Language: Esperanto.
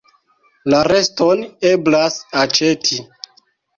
La reston eblas aĉeti.